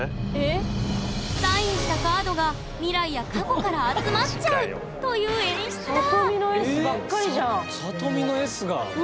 サインしたカードが未来や過去から集まっちゃうという演出だ